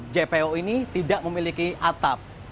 jpo ini tidak memiliki atap